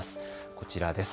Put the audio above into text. こちらです。